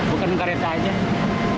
bukan kereta aja